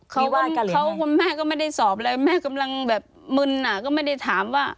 มีบ้านกรณอ่ะตอนนี้เมื่อกี้ก็ไม่ได้สอบอะไรแม่กำลังแบบมึนอ่ะก็ไม่ได้ถามว่า